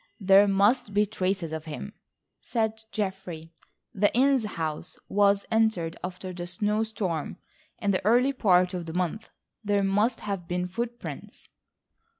"There must be traces of him," said Geoffrey. "The Inness house was entered after that snow storm in the early part of the month. There must have been footprints."